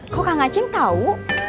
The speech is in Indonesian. kok kang aceng tau